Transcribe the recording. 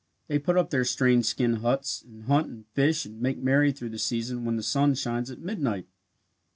They put up their strange skin huts and hunt and fish and make merry through the season when the sun shines at midnight.